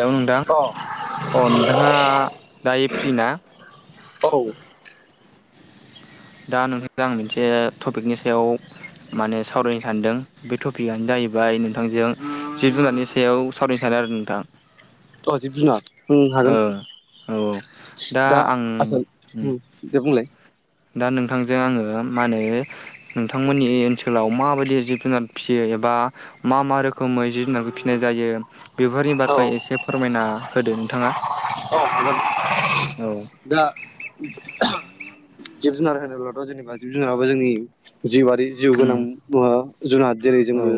Hello नोंथां अ अ नोंथाङा दायो फ्रि ना औ दा नोंथांजों आं मोनसे टपिकनि सायाव माने सावरायनो सानदों बे टपिकआनो जाहैबाय नोंथांजों जिब जुनारनि सायाव सावरायनो सानो आरो नोंथां अ जिब जुनार हागोन ओ औ औ दा आसोल दे बुंलाय दा नोंथांजों आङो मा होनो नोंथांमोननि ओनसोलाव माबायदि जिब जुनार फिसियो एबा मा मा रोखोम मैजि होननानै फिनाय जायो बेफोरनि औ बारै एसे फोरमायना होदो नोंथाङा औ हागोन औ दा जिब जुनार होनोब्लाथ' जेनेबा जिब जुनाराबो जोंनि जिउआारि जिउ उम गोनां जुनाद जेरै औ जोंबो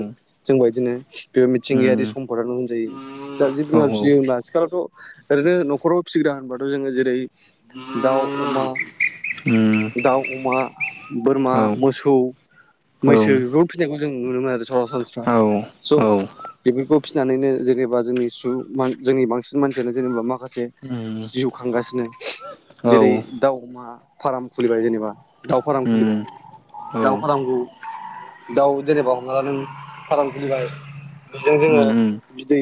जों बदिनो बे उम मिथिंगायारि सम्दानो होनजायो दा जिब औ जुनार जुदि होना आथिखालावथ' ओरैनो न'खराव फिसिग्रा होनबाथ' जोङो जेरै दाउ अमा दाउ अमा बोरमा उम मोसौ औ मैसो बेफोरखौ फिसिनायखौ जों नुनो मोनो आरो सरासनस्रा स' बेफोरखौ फिसिनानैनो जेनेबा जोंनि सु जोंनि बांसिन मानसियानो जेनेबा माखासे जिउ खांगासिनो जेरै दाावमा फार्म खुलिबाय जेनेबा दाउ फार्म खुलिबाय दाउ फारामखौ दाउ जेनेबा हम्ला नों फार्म खुलिबाय बेजों जोङो बिदै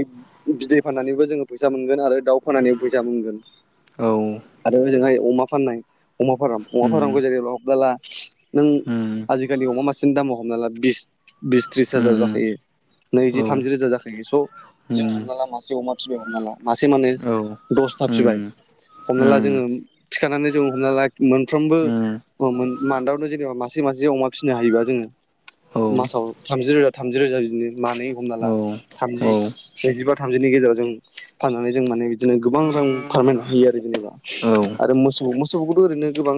बिदै फाननानैबो जोङो फैसा मोनगोन आरो दाउ फाननानैबो फैसा मोनगोन। औ। आरोओजोंहाय अमा फाननाय अमा फार्म अमा फार्मखौ जेरै हमना ला नों आजिखालि अमा मासेनि दामाव हमना ला बिस बिस त्रिस हाजार जाखायो। नैजि थामजि रोजा जाखायो स' जों हमना ला मासे अमा फिबाय हमना ला। मासे मानै दसथा फिबाय हमना ला जोङो थिखानानै जों हमना ला मोनफ्रोमबो मान्थआवनो जेनेबा मासे मासे अमा फिनो हायोबा जोङो मासाव थामजि रोजा थामजि रोजा बिदिनो मानै हमना ला थामजि नैजिबा थामजिनि गेजेराव जों फाननानै जों माने बिदिनो गोबां रां फोरमायना होयो आरो जेनेबा आरो मोसौ मोसौखौथ' ओरैनो गोबां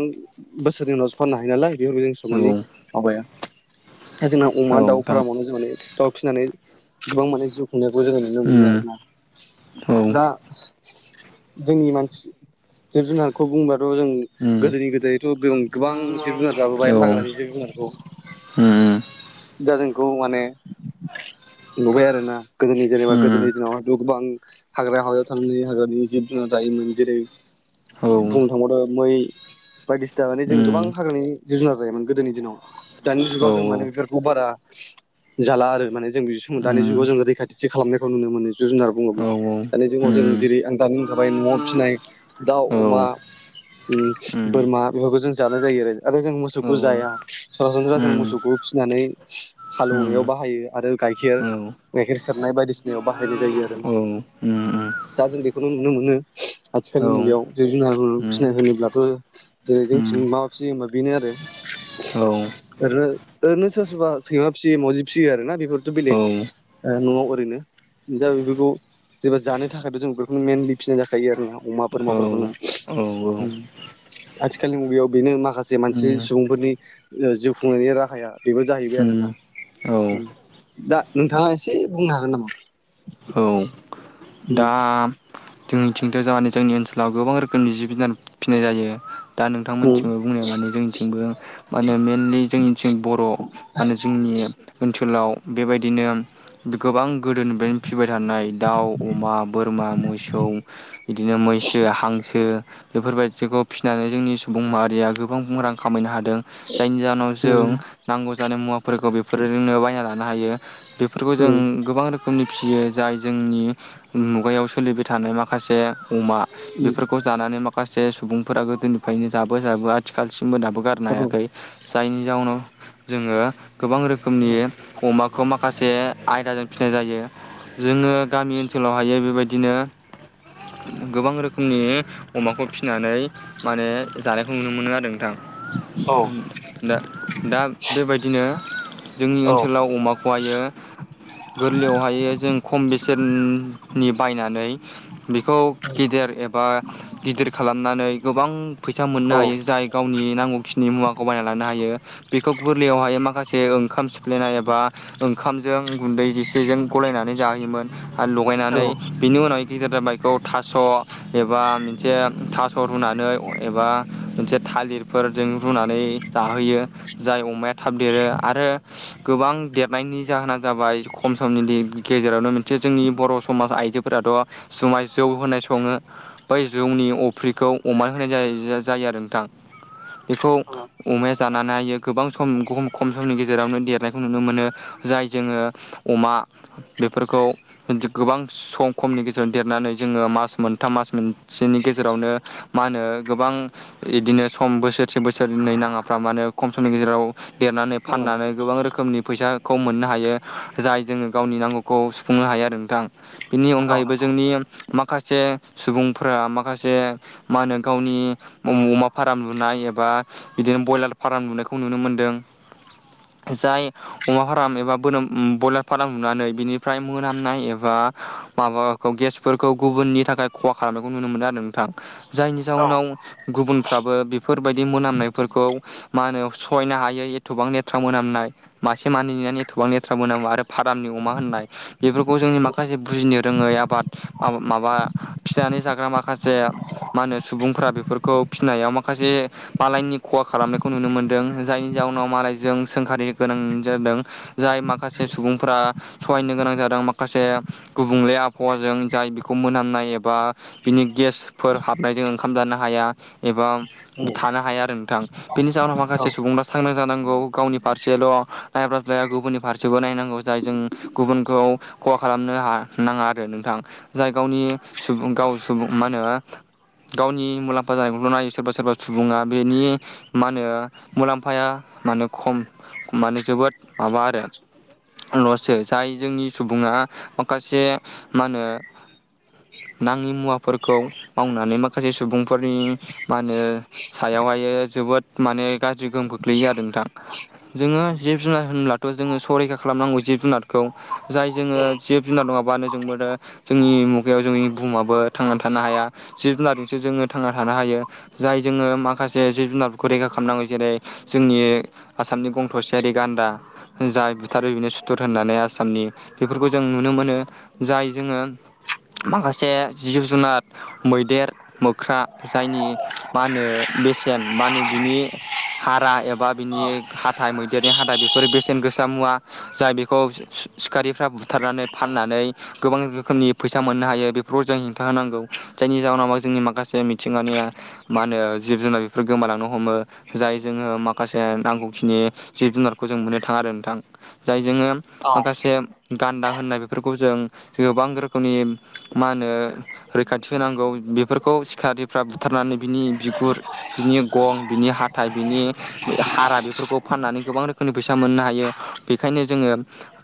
बोसोरनि उनावसो फाननो हायो नालाय बेफोरबो जोंसो मानि माबाया दा जोंना अमा दाउ फार्मावनो जों माने दाउ फिसिनानै गोबां माने जिउ खुनायखौ जोङो नुनो मोनो आरोना दा जोंनि मानसि जिब जुनारखौ बुंबाथ' जों गोदोनि गोदोयथ' गों गोबां जिब जुनार जाबोबाय हाग्रानि जिब जुनारखौ उम दा जोंखौ माने नुबाय आरोना गोदोनि जेनेबा गोदोनि दिनावहथ' गोबां हाग्रा हाग्रायाव थांनानै हाग्रानि जिब जुनार जायोमोन जेरै बुंनो थांबावदों मै बायदिसिना माने जों गोबां हाग्रानि जिब जुनार जायोमोन गोदोनि दिनाव दानि जुगाव जों माने बेफोरखौ बारा जाला आरो माने जों बि सम दानि जुगाव जों रैखाथिसो खालामनायखौ नुनो मोनो जब जुनार बुङोब्ला दानि जुगाव जों जेरै आं दानि होनखाबाय न'आव फिसिनाय दाउ अमा ओम बोरमा बेफोरखौ जों जानाय जायो आरो आरो जों मोसौखौ जाया सरासनस्रा जों मोसौखौ फिसिनानै हालौवनायाव बाहायो आरो गाइखेर गाइखेर सेरनाय बायदिसिनायाव बाहायनाय जायो आरो ना औ दा जों बेखौनो नुनो मोनो औ आथिखालनि मुगायाव जब जुनार फिनाय होनोब्लाथ' जेरै जोंथिं मा मा फियो होनबा बेनो आरो औ ओरैनो ओरैनो सोर सोरबा सैमा फिसियो माउजि फिसियो आरोना बेफोरथ' औ बेलेग ओ न'आव ओरैनो दा बेफोरखौ जेबा जानो थाखायथ' जों बेफोरखौनो मेनलि फिसिनाय जाखायो आरो नाव अमा बोरमाफोरखौनो औ आथिखालनि मुगायाव बेनो माखासे मानसि सुबुंफोरनि जिउ खुंनायनि राहाया बेबो जाहैबाय आरो ना औ दा नोंथाङा एसे बुंनो हागोन नामा औ दा जोंनिथिंथ' जामानि जोंनि ओनसोलाव गोबां रोखोमनि जिब जुनार फिसिनाय जायो दा उम नोंथांमोननिथिंबो बुंनाय माने जोंनिथिंबो मा होनो मेनलि जोंनि बर' माहोनो जोंनि ओनसोलाव बेबायदिनो गोबां गोदोनिफ्रायनो फिबाय थानाय दाउ अमा बोरमा मोसौ बिदिनो मैसो हांसो बेफोरबायदिखौ फिसिनानै जोंनि सुबुं माहारिया गोबां रां खामायनो हादों जायनि जाहोनाव जों उम नांगौ जानाय मुवाफोरखौ बेफोरजोंनो बायना लानो हायो बेफोरफोरखौ जों गोबां रोखोमनि फिसियो जाय जोंनि मुगायाव सोलिबाय थानाय माखासे अमा उम बेफोरखौ जानानै माखासे सुबुंफोरा गोदोनिफ्रायनो जाबो जाबो आथिखालसिमबो दाबो गारनो हायाखै जायनि जाउनाव जोङो गोबां रोखोमनि उम अमाखौ माखासे आयदाजों फिसिनाय जायो जोङो गा ओनसोलाव हायो बेबायदिनो गोबां रोखोमनि अमाखौ फिनानै माहोनो जानायखौ नुनो मोनो आरो नोंथां औ दा दा बेबायदिनो जोंनि औ ओनसोलाव अमाखौ खौहायो गोरलैयावहायो जों खम बेसेननि बायनानै बेखौ गेदेर एबा गिदिर खालामनानै गोबां फैसा मोननो औ हायो जाय गावनि नांगौखिनि मुवाखौ बायना लानो हायो बेखौ गोरलैयावहाय माखासे ओंखाम सिफ्लायनाय एबा ओंखामजों गुन्दै जेसेजों गलायनानै जाहोयोमोन आरो औ लगायनानै बिनि उनाव गिदेर जाबायखौ थास' एबा मोनसे थास' रुनानै एबा मोनसे थालिरफोरजों रुनानै जाहोयो जाय अमाया थाब देरो आरो गोबां देरनायनि जाहोना जाबाय खम समनि गेजेरावनो मोनसे जोंनि बर' समाज आइजोफोराथ' जुमाय जौ होनाय सङो। बै जौनि अफ्रिखौ अमा नो होनाय जायो आरो नोंथां बेखौ औ अमाया जानानै हायो गोबां सम खम समनि गेजेरावनो देरनायखौ नुनो मोनो। जाय जोङो अमा बेफोरखौ गोबां सम खमनि गेजेरावजों देरनानै जोङो मास मोनथाम मास मोनसेनि गेजेरावनो मा होनो गोबां इदिनो सम बोसोरसे बोसोरनै नाङाफ्रा मानोे खम समनि गेजेराव देरनानै औ फाननानै गोबां रोखोमनि फैसाखौ मोननो हायो। जाय जोङो गावनि नांगौखौ खौ सुफुंनो हाया नोंथां बेनि औ अनगायैबो नंगौ जोंनि माखासे सुबुंफोरा माखासे मा होनो गावनि अमा फाराम लुनाय एबा बिदिनो बयलार फार्म लुनायखौ नुनो मोन्दों। जाय अमा फार्म एबा बोन ब्रयलार फार्म नुनानै बिनिफ्राय मोनामनाय एबा बा माबाखौ गेसफोरखौ गुबुननि थाखाय खहा खालामनायखौ नुनो मोनदों आरो नोंथां। जायनि औ जाहोनाव गुबुनफ्राबो बेफोरबायदि मोनामनायफोरखौ मा होनो सहायनो हायो एथ'बां लेथ्रा मोनामनाय मासे मानिनानै एथ'बां लेथ्राबोनांगौ आरो फारामनि अमा होननाय बेफोरखौ जोंनि माखासे माखासे बुजिनो रोङै आबाद माबा फिनानै जाग्रा माखासे मा होनो सुबुंफ्रा बेफोरखौ फिनायाव माखासे मालायनि खहा खालामनायखौ नुनो मोनदों जायनि जाउनाव मालायजों सोंखारि गोनां जादों। जाय माखासे सुबुंफोरा सहायनो गोनां जादों माखासे गुबुंले आबहावाजों जाय बेखौ मोनामनाय एबा बिनि गेसफोर हाबनायजों ओंखाम जानो हाया एबा थानो हाया आरो नोंथां। बेनि जााहोनाव औ माखासे सुबुंफ्रा सांग्रां जानांगौ गावनि फारसेल' नायब्राज्लाया गुबुननि फारसेबो नायनांगौ जाय जों गुबुनखौ खहा खालामनो ह नाङा आरो नोंथां जाय गावनि सुबुं गाव सुबुं मा होनो गावनि मुलाम्फा जानायखौल' नायो सोरबा सोरबा सुबुङा बेनि मा होनो मुलाम्फाया म खम मान जोबोद माबा आरो लसो जाय जोंनि सुबुङा माखासे मा होनो नाङि मुवाफोरखौ मावनानै माखासे सुबुंफोरनि मा होनो। सायावहाय जोबोद माने गाज्रि गोहोम ख गोख्लैयो जादों नोंथां जोङो जिब जुनार होनब्लाथ' जोङो सरैखा खालामनांगौ जिब जुनारखौ जाय जोङो जिब जुनार नङाबानो जों मोनो जोंनि मुगायाव जोंनि बुहुमाबो थांनानै थानो हाया जिब जुनारजोंसो जोङो थांना थानो हायो। जाय जोङो माखासे जिब जुनारफोरखौ रैखा खालामनांगौ जेरै जोंनि आसामनि गं थसेयारि गान्दा जा बुथारो बिनो सुथुर होननानै आसामनि बेफोरखौ जों नुनो मोनो जाय जोङो माखासे जिब जुनार मैदेर मोख्रा जायनि मा होनो बेसेन मा होनो बिनि हारा एबा बिनि हाथाइ मैदेरनि हाथाइ बेफोरो बेसेन गोसा मुवा जाय बेखौ सिखारिफ्रा बुं बुथारनानै फाननानै गोबां रोखोमनि फैसा मोननो हायो बेफोरखौाव जों हेंथा होनांगौ। जायनि जाहोनाव जोंनि माखासे मिथिंनि मा होनो जिब जुनार बेफोर गोमालांनो हमो। जाय जोङो माखासे नांगौखिनि जिब जुनारखौ जों मोननो थाङा आरो नोंथां। जाय जोङो औ माखासे गान्दा होननाय बेफोरखौ जों गोबां रोखोमनि मा होनो रैखाथि होनांगौ बेफोरखौ सिखारिफ्रा बुथारनानै बिनि बिगुर बिनि गं बिनि हाथाय बिनि हारा बेफोरखौ फाननानै गोबां रोखोमनि फैसा मोननो हायो बेखायनो जोङो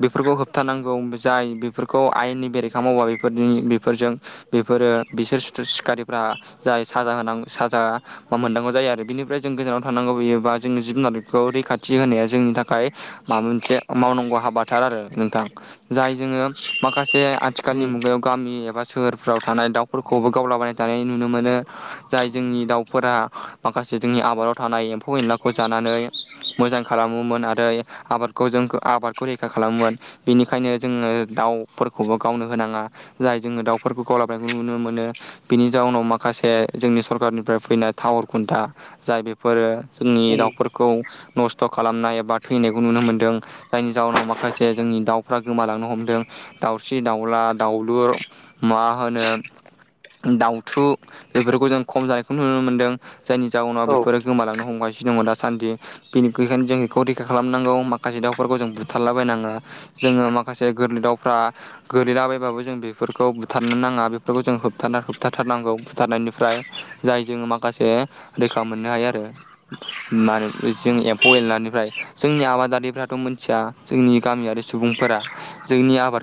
बेफोरखौ होबथारानांगौ जाय बेफोरखौ आयेननि बेरेखा मावा बेफोर बेफोरजों बेफोरो बिसोर सिखारिफ्रा जाय साजा होनां साजा मा मोननांगौ जायो आरो बिनिफ्राय जों गोजानाव थांनांगौ होयोबा जोंनि जिब जुनारखौ रैखाथि होनाया जोंनि थाखाय माबा मोनसे मावनांगौ हाबा थार आरो नोंथां जाय जोङो माखासे आथिखालनि उम मुगायाव गामि एबा सोहोरफ्राव थानाय दाउफोरखौबो गावलाबायनाय थानाय नुनो मोनो जाय जोंनि दाउ फोरा माखासे जोंनि आबादाव थानाय एम्फौ एनलाखौ जानानै मोजां खालामोमोन आरो आबादखौ जों आबादखौ रैखा खालामोमोन बेनिखायनो जोङो दाउफोरखौबो गावनो होनाङा जाय जोङो दाउफोरखौ गावलाबनायखौ नुनो मोनो बिनि जाउनाव माखासे जोंनि सरखारनिफ्राय फैनाय टावर खुन्था जाय बे फोर जोंनि उम दाउफोर‌ खौ नस्थ' खालामनाय एबा थैनायखौ नुनो मोनदों जायनि जाउनाव माखासे जोंनि दाउफ्रा गोमालांनो हमदों दाउस्रि दाउला दाउलुर मा होनो दाउथु बेफोरखौ जों खम जानायखौ नुनो मोनदों जायनि जाउनाव औ बेफोरो गोमालांनो हमगासिनो दङ दासान्दि बेनिखायनो जों बेखौ रैखा खालामनांगौ माखासे दाउफोरखौ जों बुथारलाबायनाङा जोङो माखासे गोरलै दाउफ्रा गोरैलाबायायबाबो जों बेफोरखौ बुथारनो नाङा बेफोरखौ जों होबथ होबथाथारनांगौ बुथारनायनिफ्राय जाय जोङो माखासे रैखा मोननो हायो आरो मा होनो जों एम्फौ एनलानिफ्राय जोंनि आबादारिफ्राथ' मिथिया जोंनि गामियारि सुबुंफोरा जोंनि आबाद